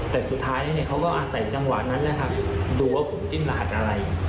แต่สุดท้ายเขาก็อาศัยจังหวะนั้นดูว่าผมจิ้นรหัสอะไร